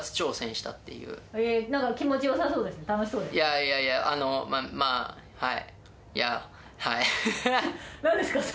いやいやあのまぁはい。